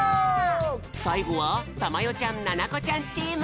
さいごはたまよちゃんななこちゃんチーム！